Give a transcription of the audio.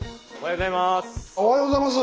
おはようございます！